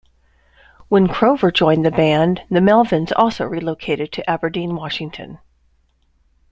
When Crover joined the band, the Melvins also relocated to Aberdeen, Washington.